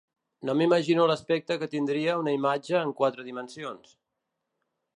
No m'imagino l'aspecte que tindria una imatge en quatre dimensions.